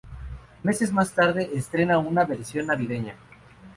Meses más tarde, estrena una versión navideña.